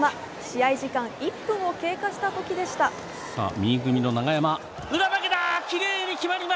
試合時間１分を経過したときでしたあ